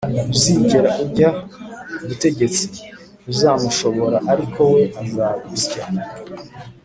ntuzigera ujya ku butegetsi, ntuzamushobora ariko we azaguscya.